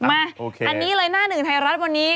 มาอันนี้เลยหน้าหนึ่งไทยรัฐวันนี้